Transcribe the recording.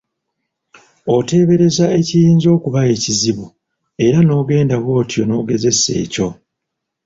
Oteebereza ekiyinza okuba ekizibu era n'ogenda bw'otyo n'ogezesa ekyo.